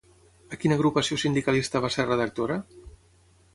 A quina agrupació sindicalista va ser redactora?